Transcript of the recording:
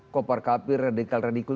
kopar kapir radikal radikul